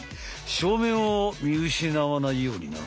正面を見失わないようにな。